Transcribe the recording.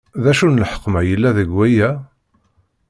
D acu n lḥekma i yella deg waya?